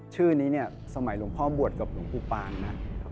ชื่อนี้เนี่ยสมัยหลวงพ่อบวชกับหลวงปู่ปางนะ